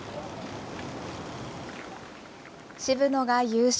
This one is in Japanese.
渋野が優勝。